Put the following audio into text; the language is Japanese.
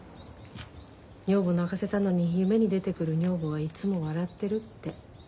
女房泣かせたのに夢に出てくる女房はいつも笑ってるって。